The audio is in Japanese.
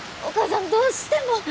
お母さんどうしても。